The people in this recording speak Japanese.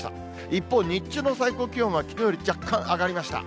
一方、日中の最高気温はきのうより若干上がりました。